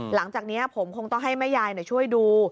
หลังจากนี้ผมคงต้องให้แม่ยายช่วยดู